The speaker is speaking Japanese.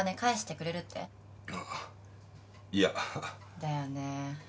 だよね。